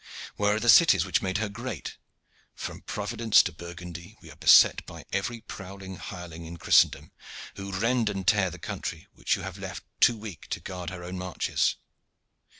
Where are the cities which made her great? From Providence to Burgundy we are beset by every prowling hireling in Christendom, who rend and tear the country which you have left too weak to guard her own marches.